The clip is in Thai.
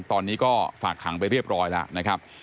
ตอนนี้ก็ฝากขังไปเรียบร้อยแล้วนะครับ